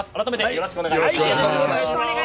よろしくお願いします。